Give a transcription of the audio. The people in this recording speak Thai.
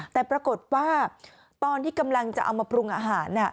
แต่ปรากฏว่าตอนที่กำลังจะเอามาปรุงอาหาร